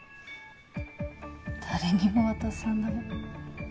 誰にも渡さない。